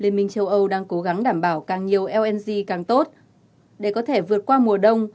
liên minh châu âu đang cố gắng đảm bảo càng nhiều lng càng tốt để có thể vượt qua mùa đông